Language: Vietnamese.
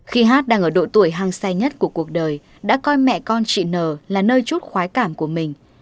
khi hát đang ở độ tuổi hăng say nhất của cuộc đời đã coi mẹ con chị n là nơi chút khóa cảm của mình